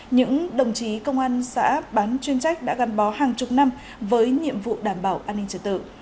những đồng chí công an xã bán chuyên trách đã gắn bó hàng chục năm với nhiệm vụ đảm bảo an ninh trật tự